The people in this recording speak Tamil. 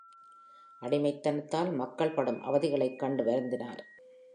அடிமைத் தனத்தால் மக்கள் படும் அவதிகளைக் கண்டு வருந்தினார்.